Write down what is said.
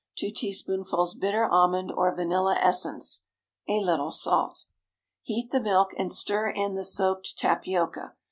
2 teaspoonfuls bitter almond or vanilla essence. A little salt. Heat the milk, and stir in the soaked tapioca.